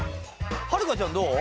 はるかちゃんどう？